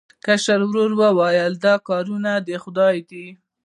کشر ورور وویل دا کارونه د خدای دي.